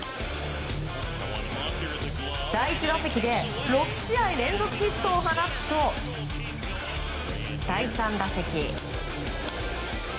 第１打席で６試合連続ヒットを放つと第３打席。